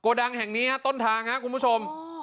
โกดังแห่งในนี้ต้นทางของคุณผู้ชม